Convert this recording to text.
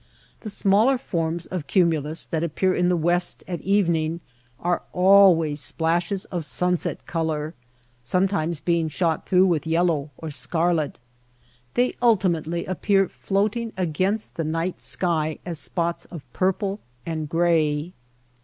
The smaller forms of cumulus that appear in the west at evening are always splashes of sunset color, sometimes being shot through with yellow or scarlet. They ultimately appear floating against the night sky as spots of purple and gray.